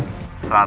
selamat pagi pak